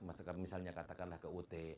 misalnya katakanlah ke ut